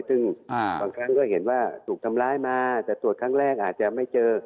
ซึ่งบางครั้งก็เห็นว่าถูกทำร้ายมาแต่ตรวจครั้งแรกอาจจะไม่เจอ